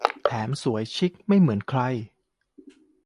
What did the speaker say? แถมสวยชิคไม่เหมือนใคร